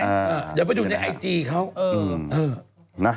เดี๋ยวไปดูในไอจีเขา